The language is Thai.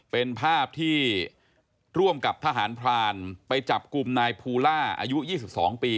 เป็นภาพที่ร่วมกับทหารพรานไปจับกลุ่มนายภูล่าอายุ๒๒ปี